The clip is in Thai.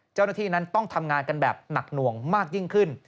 เจ้าหน้าที่นั้นต้องทำงานกันแบบหนักหน่วงมากยิ่งขึ้น